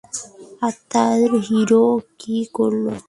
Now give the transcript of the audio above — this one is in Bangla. আর তার হিরো কি করল?